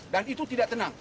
dan itu tidak tenang